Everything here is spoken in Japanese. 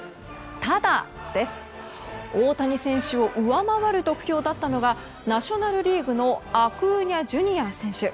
ただ、大谷選手を上回る得票だったのがナショナル・リーグのアクーニャＪｒ．選手。